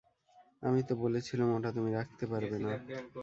আমি তো বলেছিলুম, ওটা তুমি রাখতে পারবে না।